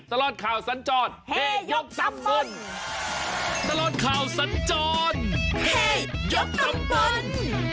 ตลอดข่าวสัญจรเฮยกตำเงินตลอดข่าวสัญจรเฮยกตำบล